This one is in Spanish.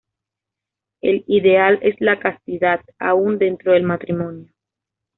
El ideal es la castidad, aún dentro del matrimonio.